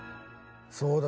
そうだ。